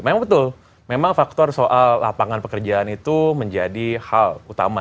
memang betul memang faktor soal lapangan pekerjaan itu menjadi hal utama